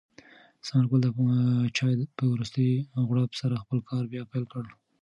ثمر ګل د چای په وروستۍ غړپ سره خپل کار بیا پیل کړ.